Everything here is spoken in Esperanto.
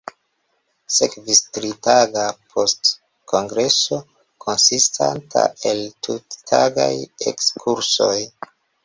Sekvis tritaga postkongreso konsistanta el tuttagaj ekskursoj.